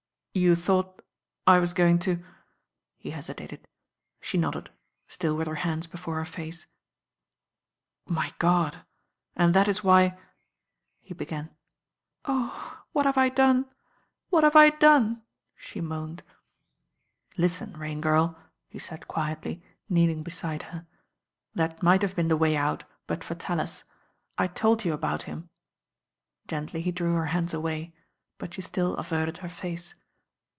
"You thought I was going to ^" he hesitated. She nodded, still with her hands before her face. "My God I and that is why ?" he began. "Oh I what have I done? what have I done?" •he moaned •W THE RAIN GIRL "Listen, Rain Girl," he said quietly, kneeling be tide her. "That might have been the way out, but for Tallis. I told you about him." Gently he drew her hands away; but she still averted her face.